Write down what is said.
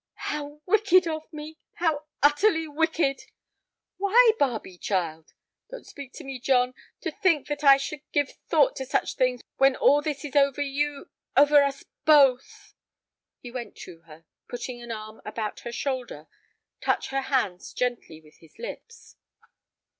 "How wicked of me—how utterly wicked!" "Why, Barbe, child?" "Don't speak to me, John. To think that I should give thought to such things when all this is over you—over us both!" He went to her, putting an arm about her shoulders, touched her hands gently with his lips.